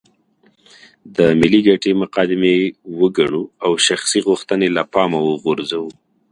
د ملي ګټې مقدمې وګڼو او شخصي غوښتنې له پامه وغورځوو.